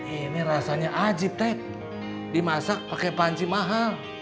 ini rasanya ajib teg dimasak pakai panci mahal